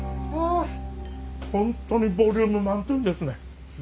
ホントにボリューム満点ですね。